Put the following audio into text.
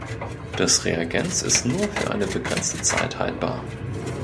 Das Reagenz ist nur für eine begrenzte Zeit haltbar.